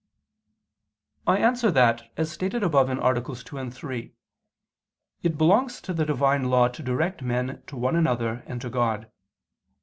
I answer that, As stated above (AA. 2, 3), it belongs to the Divine law to direct men to one another and to God.